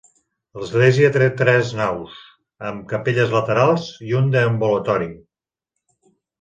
L'església té tres naus amb capelles laterals i un deambulatori.